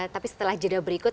tapi setelah juda berikut